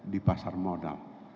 di pasar modal